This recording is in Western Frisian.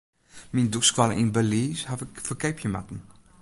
Myn dûkskoalle yn Belize haw ik ferkeapje moatten.